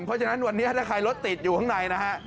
เพราะฉะนั้นวันนี้ถ้าใครรถติดอยู่ข้างในนะฮะ